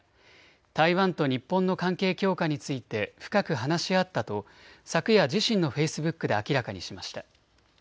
台湾と日本の関係強化について深く話し合ったと昨夜、自身のフェイスブックで明らかにしました。